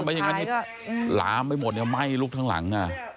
ไม่อย่างนั้นล้ามไม่หมดจะไหม้ลูกทางหลัง